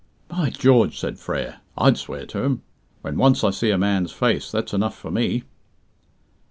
"By George," said Frere, "I'd swear to him! When once I see a man's face that's enough for me."